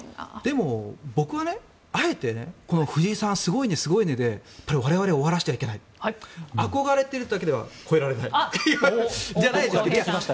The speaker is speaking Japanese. でも、僕はあえてこの藤井さんすごいね、すごいねで我々は終わらせてはいけない。憧れているだけではおっ、大谷さん。